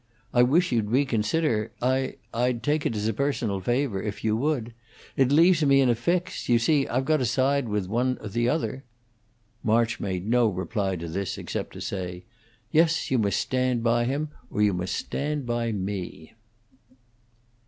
I wish you'd reconsider. I I'd take it as a personal favor if you would. It leaves me in a fix. You see I've got to side with one or the other." March made no reply to this, except to say, "Yes, you must stand by him, or you must stand by me."